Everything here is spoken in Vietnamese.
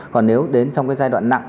còn nếu đến trong giai đoạn nặng